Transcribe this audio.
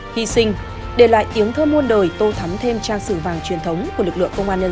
hy sinh để lại tiếng thơ muôn đời tô thắm thêm trang sử vàng truyền thống của lực lượng công an nhân dân